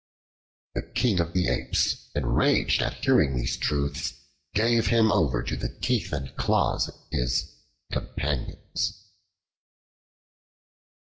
The King of the Apes, enraged at hearing these truths, gave him over to the teeth and claws of his companions.